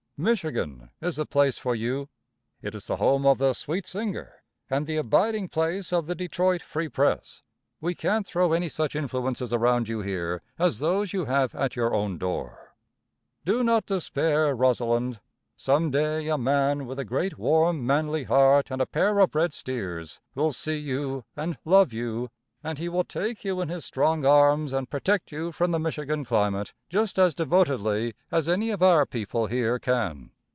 Michigan is the place for you. It is the home of the Sweet Singer and the abiding place of the Detroit Free Press. We can't throw any such influences around you here as those you have at your own door. Do not despair, Rosalinde. Some day a man, with a great, warm, manly heart and a pair of red steers, will see you and love you, and he will take you in his strong arms and protect you from the Michigan climate, just as devotedly as any of our people here can.